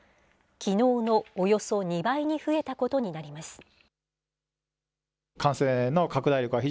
きのうのおよそ２倍に増えたことになります。